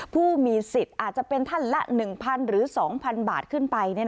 ผู้มีสิทธิ์อาจจะเป็นท่านละ๑๐๐๐หรือ๒๐๐บาทขึ้นไป